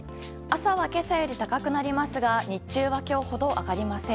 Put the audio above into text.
朝は今朝より高くなりますが日中は今日ほど上がりません。